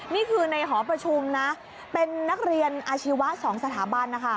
นี่คือในหอประชุมนะเป็นนักเรียนอาชีวะ๒สถาบันนะคะ